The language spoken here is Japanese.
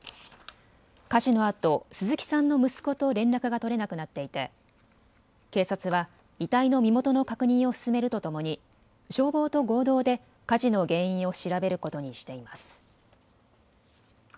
火事のあと鈴木さんの息子と連絡が取れなくなっていて警察は遺体の身元の確認を進めるとともに消防と合同で火事の原因を調べることにしています。